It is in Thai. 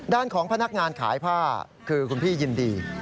ด้านของพนักงานขายผ้าคือคุณพี่ยินดี